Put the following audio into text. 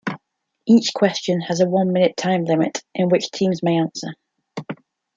Each question has a one-minute time limit in which teams may answer.